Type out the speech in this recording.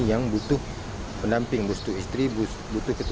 yang butuh pendamping butuh istri butuh ketua